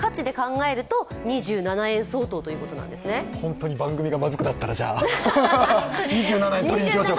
本当に番組がまずくなったら、２７円取りにいきましょうか。